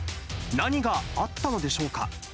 何があったのでしょうか。